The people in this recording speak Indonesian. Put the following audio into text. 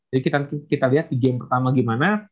jadi kita lihat di game pertama gimana